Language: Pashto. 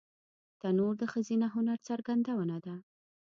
تنور د ښځینه هنر څرګندونه ده